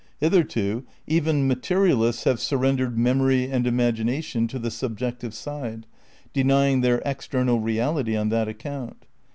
Hitherto even materialists have surrend Memory ered memory and imagination to the subjective side, denying their external reality on that account.